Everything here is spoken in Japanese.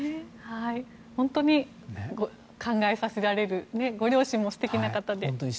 本当に考えさせられる素敵な方で。